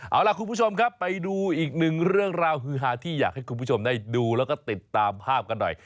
เอาล่ะคุณผู้ชมครับไปดูอีกหนึ่งเรื่องราวฮือฮาที่อยากให้คุณผู้ชมได้ดูแล้วก็ติดตามภาพกันหน่อย